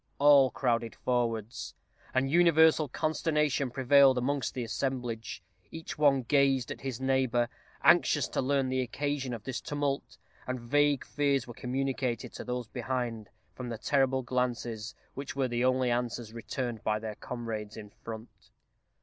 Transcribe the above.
All crowded forwards, and universal consternation prevailed amongst the assemblage. Each one gazed at his neighbor, anxious to learn the occasion of this tumult, and vague fears were communicated to those behind, from the terrified glances, which were the only answers returned by their comrades in front.